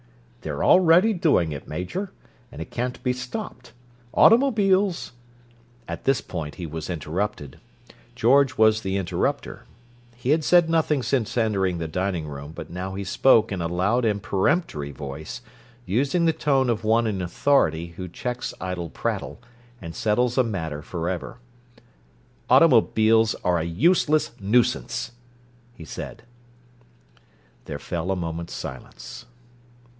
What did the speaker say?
"They're already doing it, Major; and it can't be stopped. Automobiles—" At this point he was interrupted. George was the interrupter. He had said nothing since entering the dining room, but now he spoke in a loud and peremptory voice, using the tone of one in authority who checks idle prattle and settles a matter forever. "Automobiles are a useless nuisance," he said. There fell a moment's silence.